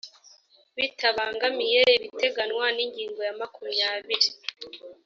bitabangamiye ibiteganywa n’ingingo ya makumyabiri